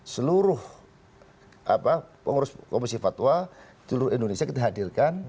seluruh pengurus komisi fatwa seluruh indonesia kita hadirkan